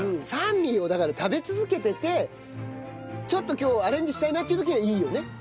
サンミーをだから食べ続けててちょっと今日アレンジしたいなっていう時にいいよね。